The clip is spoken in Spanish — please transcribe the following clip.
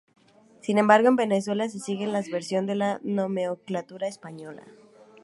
Sin embargo en Venezuela se sigue la versión de la nomenclatura española.